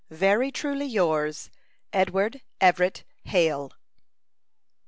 Very truly yours, Edward Everett Hale.